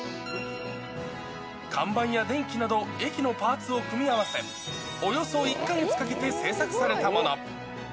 看板や電気など、駅のパーツを組み合わせ、およそ１か月かけて制作されたもの。